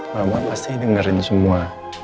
mama pasti dengerin semua